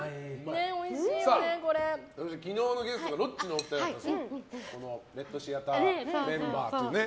昨日のゲストがロッチのお二人だったんですけど「レッドシアター」メンバーでね。